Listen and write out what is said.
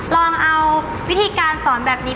ลองเอาวิธีการสอนแบบนี้